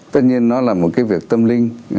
tất nhiên nó là một cái việc tâm linh